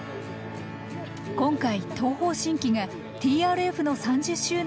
今回東方神起がＴＲＦの３０周年を祝うため駆けつけました。